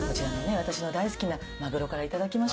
私の大好きなマグロから頂きましょうか。